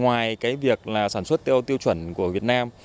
ngoài cái việc là sản xuất theo tiêu chuẩn của việt nam